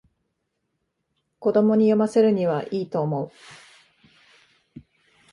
子供に読ませるにはいいと思う